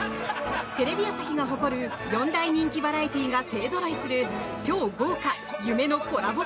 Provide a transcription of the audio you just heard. テレビ朝日が誇る４大人気バラエティーが勢ぞろいする超豪華、夢のコラボ